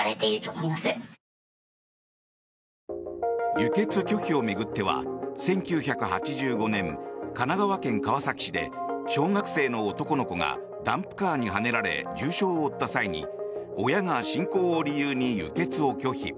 輸血拒否を巡っては１９８５年、神奈川県川崎市で小学生の男の子がダンプカーにはねられ重傷を負った際に親が信仰を理由に輸血を拒否。